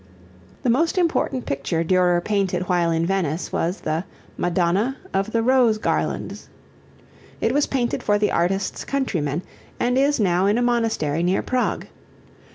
The most important picture Durer painted while in Venice was the "Madonna of the Rose Garlands." It was painted for the artist's countrymen and is now in a monastery near Prague.